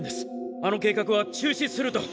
あの計画は中止すると。